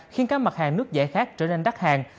khiến các mặt hàng nước giải khác trở nên đắt hàng